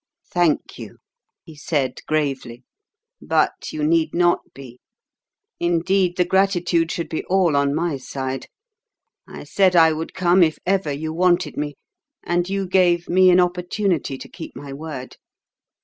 "Thank you," he said gravely. "But you need not be. Indeed, the gratitude should be all on my side. I said I would come if ever you wanted me, and you gave me an opportunity to keep my word.